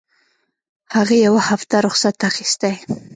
هغې يوه هفته رخصت اخيستى.